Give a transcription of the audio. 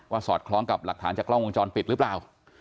สอดคล้องกับหลักฐานจากกล้องวงจรปิดหรือเปล่า